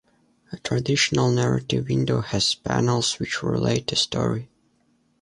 A traditional narrative window has panels which relate a story.